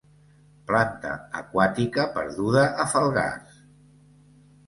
Planta aquàtica perduda a Falgars.